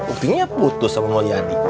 uptinya putus sama mbak yadi